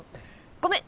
ごめん！